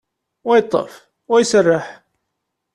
Wa yeṭṭef, wa iserreḥ.